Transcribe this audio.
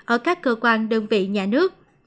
ở các cơ quan đơn vị nhà nước